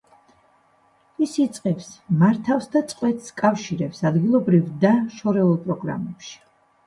ის იწყებს, მართავს და წყვეტს კავშირებს ადგილობრივ და შორეულ პროგრამებში.